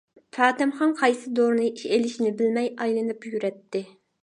پاتەمخان قايسى دورىنى ئىلىشنى بىلمەي ئايلىنىپ يۈرەتتى.